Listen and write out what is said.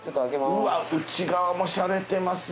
うわっ内側もシャレてます。